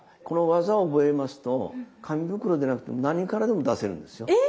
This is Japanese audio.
この技を覚えますと紙袋でなくても何からでも出せるんですよ。